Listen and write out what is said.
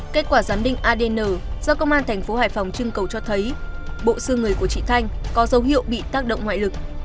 kết quả giám đinh adn do công an tp hải phòng trưng cầu cho thấy bộ sư người của chị thanh có dấu hiệu bị tác động ngoại lực